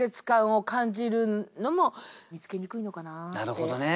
なるほどね。